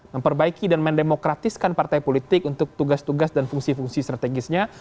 memperbaiki dan mendemokratiskan partai politik untuk tugas tugas dan fungsi fungsi strategisnya